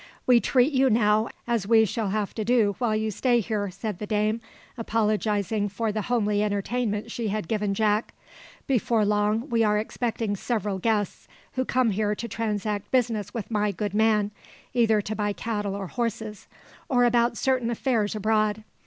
"We treat you now as we shall have to do while you stay here," said the dame, apologising for the homely entertainment she had given Jack. "Before long we are expecting several guests, who come here to transact business with my good man, either to buy cattle or horses, or about certain affairs abroad.